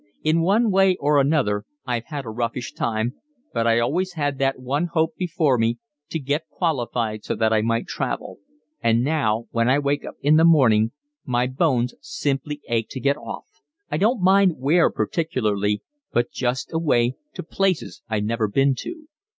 In one way and another I've had a roughish time, but I always had that one hope before me, to get qualified so that I might travel; and now, when I wake in the morning, my bones simply ache to get off, I don't mind where particularly, but just away, to places I've never been to."